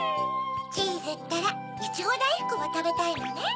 チーズったらいちごだいふくもたべたいのね。